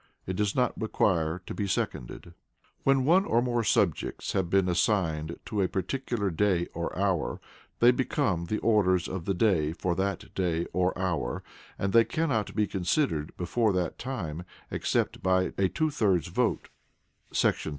It does not require to be seconded. When one or more subjects have been assigned to a particular day or hour, they become the Orders of the Day for that day or hour, and they cannot be considered before that time, except by a two thirds vote [§ 39].